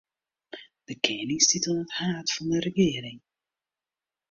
De kening stiet oan it haad fan 'e regearing.